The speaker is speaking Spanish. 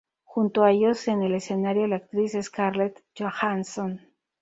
Junto a ellos en el escenario la actriz Scarlett Johansson.